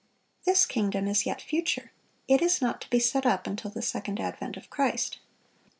(578) This kingdom is yet future. It is not to be set up until the second advent of Christ.